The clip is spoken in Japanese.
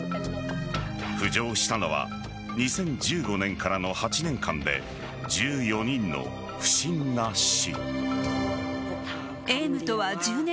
浮上したのは２０１５年からの８年間で１４人の不審な死。